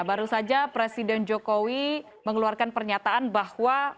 baru saja presiden jokowi mengeluarkan pernyataan bahwa